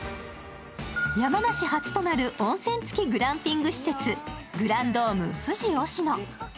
山梨初となる温泉付きグランピング施設、グランドーム富士忍野。